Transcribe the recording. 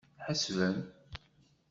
Tḥesbem.